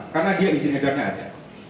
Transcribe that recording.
karena dia izin edarnya ada